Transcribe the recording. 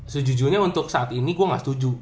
sejujurnya untuk saat ini gue gak setuju